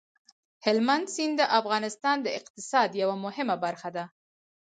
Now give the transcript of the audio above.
هلمند سیند د افغانستان د اقتصاد یوه مهمه برخه ده.